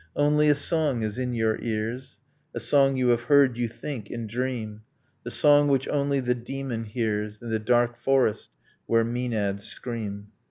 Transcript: Only, a song is in your ears, A song you have heard, you think, in dream: The song which only the demon hears, In the dark forest where maenads scream